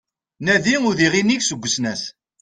Nadi udiɣ inig seg usnas